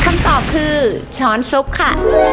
คำตอบคือช้อนซุปค่ะ